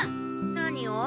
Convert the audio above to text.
何を？